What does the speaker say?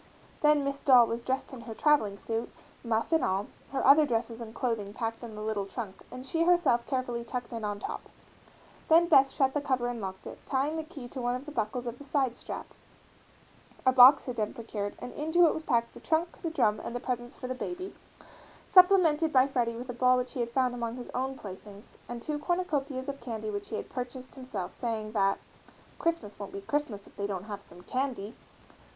Then Miss Doll was dressed in her travelling suit, muff and all, her other dresses and clothing packed in the little trunk, and she herself carefully tucked in on top, then Beth shut the cover and locked it, tying the key to one of the buckles of the side strap a box had been procured and into it was packed the trunk, the drum, and the presents for the baby, supplemented by Freddie with a ball which he had found among his own playthings and two cornucopias of candy which he had purchased himself, saying that "Christmas won't be Christmas if they don't have some candy."